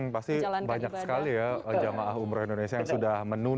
pasti banyak sekali ya jamaah umroh indonesia yang sudah menunggu